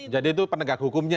jadi itu penegak hukumnya